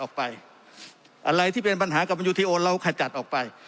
ออกไปอะไรที่เป็นปัญหากำยูธิโอนเราขัดจัดออกไป